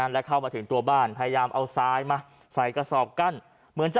และเข้ามาถึงตัวบ้านพยายามเอาซ้ายมาใส่กระสอบกั้นเหมือนจะ